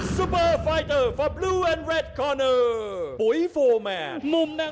จิบลำตัวไล่แขนเสียบใน